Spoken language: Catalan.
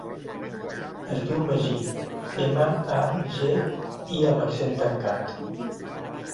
Es diu Magí: ema, a, ge, i amb accent tancat.